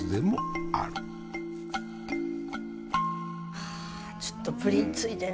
はあちょっとぶりについてね